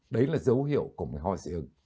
đấy là dấu hiệu của mề ho dị ứng